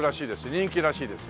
人気らしいですよ